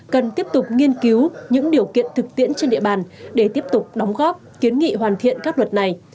cần tiếp tục nghiên cứu những điều kiện thực tiễn trên địa bàn để tiếp tục đóng góp kiến nghị hoàn thiện các luật này